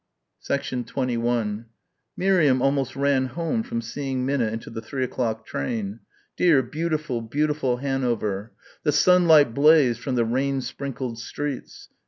21 Miriam almost ran home from seeing Minna into the three o'clock train ... dear beautiful, beautiful Hanover ... the sunlight blazed from the rain sprinkled streets.